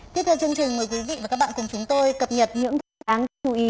tiếp theo chương trình mời quý vị và các bạn cùng chúng tôi cập nhật những đáng chú ý